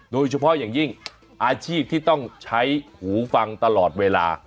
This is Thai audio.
โดยเฉพาะอย่างยิ่งอาชีพที่ต้องใช้หูฟังตลอดเวลา